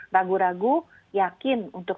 ragu ragu yakin untuk